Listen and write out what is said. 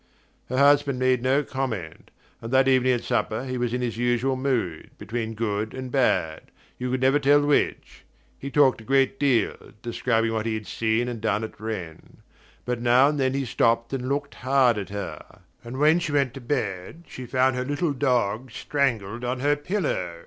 Her husband made no comment, and that evening at supper he was in his usual mood, between good and bad: you could never tell which. He talked a good deal, describing what he had seen and done at Rennes; but now and then he stopped and looked hard at her; and when she went to bed she found her little dog strangled on her pillow.